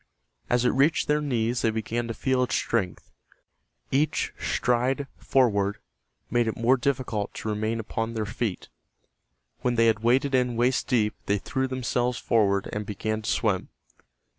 As it reached their knees they began to feel its strength, Each stride forward made it more difficult to remain upon their feet. When they had waded in waist deep they threw themselves forward and began to swim.